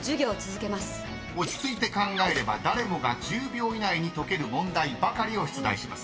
［落ち着いて考えれば誰もが１０秒以内に解ける問題ばかりを出題します。